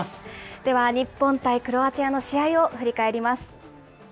では日本対クロアチアの試合を振り返ります。